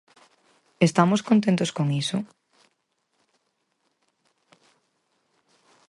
¿Estamos contentos con iso?